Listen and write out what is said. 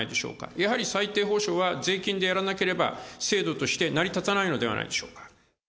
やはり最低保障は税金でやらなければ、制度として成り立たないのではないでしょうか。